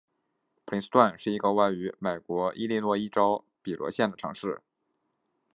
普林斯顿是一个位于美国伊利诺伊州比罗县的城市。